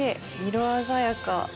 色鮮やか。